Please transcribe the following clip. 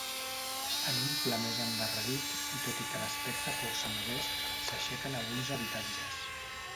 En un pla més endarrerit, i tot i que d'aspecte força modest, s'aixequen alguns habitatges.